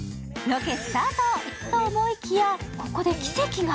ロケスタートと思いきやここで奇跡が。